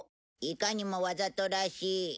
いかにもわざとらしい。